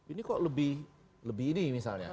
ini kok lebih ini misalnya